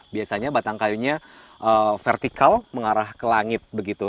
biasanya batang kayunya vertikal mengarah ke langit begitu